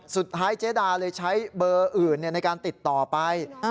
สุดท้ายเจดาเลยใช้เบอร์อื่นในการติดต่อไป